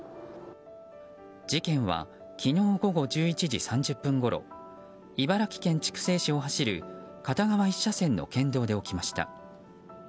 事件は昨日午後１１時３０分ごろ茨城県筑西市を走る片側１車線の県道で起きました。